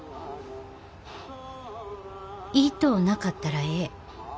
言いとうなかったらええ。